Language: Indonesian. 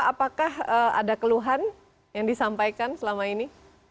apakah ada keluhan yang disampaikan selama ini